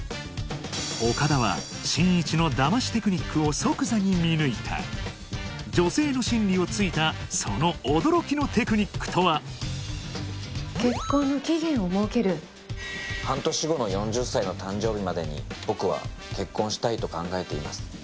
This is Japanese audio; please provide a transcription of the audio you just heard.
岡田は進一のダマしテクニックを即座に見抜いた女性の心理を突いたその驚きのテクニックとは半年後の４０歳の誕生日までに僕は結婚をしたいと考えています